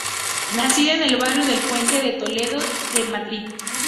Nacida en el barrio del Puente de Toledo de Madrid.